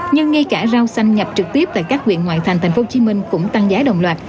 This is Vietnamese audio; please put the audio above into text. nhưng ngay cả rau xanh nhập trực tiếp tại các huyện ngoại thành tp hcm cũng tăng giá đồng loạt